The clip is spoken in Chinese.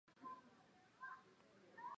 湿地勿忘草是紫草科勿忘草属的植物。